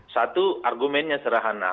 satu argumennya serahana